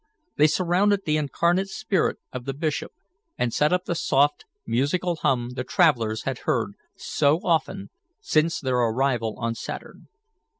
They surrounded the incarnate spirit of the bishop and set up the soft, musical hum the travellers had heard so often since their arrival on Saturn.